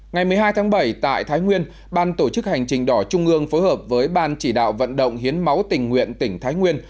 ngày một mươi hai tháng bảy tại thái nguyên ban tổ chức hành trình đỏ trung ương phối hợp với ban chỉ đạo vận động hiến máu tình nguyện tỉnh thái nguyên